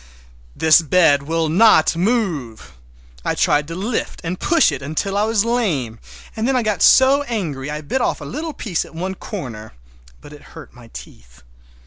This bed will not move! I tried to lift and push it until I was lame, and then I got so angry I bit off a little piece at one corner—but it hurt my teeth.